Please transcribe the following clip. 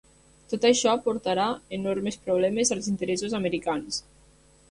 Tot això portarà enormes problemes als interessos americans.